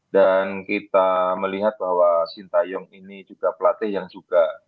dan kita melihat bahwa sinteyong ini juga pelatih yang juga